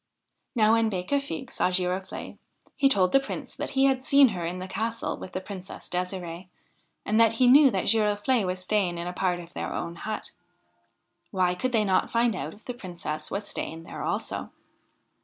Now when Becafigue saw Girofle'e, he told the Prince that he had seen her in the castle with the Princess D6sir6e, and that he knew that Giroflee was staying in a part of their own hut. Why could they not find out if the Princess was staying there also?